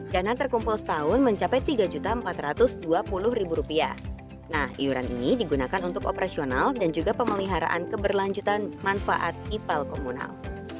dana terkumpul setahun mencapai rp tiga empat ratus dua puluh nah iuran ini digunakan untuk operasional dan juga pemeliharaan keberlanjutan manfaat ipal komunal